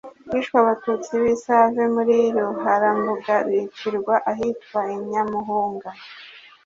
Hishwe Abatutsi b’i Save muri Ruharambuga bicirwa ahitwa i Nyamuhunga